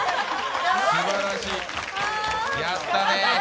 すばらしい、やったね